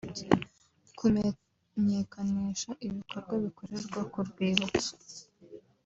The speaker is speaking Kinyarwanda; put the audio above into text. kumenyekanisha ibikorwa bikorerwa ku rwibutso